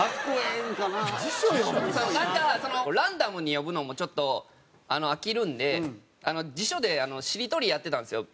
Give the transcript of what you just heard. なんかランダムに読むのもちょっと飽きるんで辞書でしりとりやってたんですよ